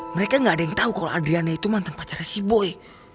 mereka gak ada yang tau kalo adriana itu mantan pacarnya si boy